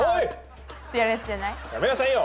やめなさいよ！